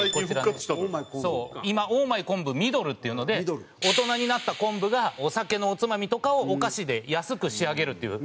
今『ＯＨ！ＭＹコンブミドル』っていうので大人になったコンブがお酒のおつまみとかをお菓子で安く仕上げるっていう。